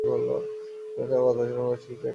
কিন্তু আপনার কথা শুনে আমার মনে হচ্ছে, কিছু-একটা হয়েছে।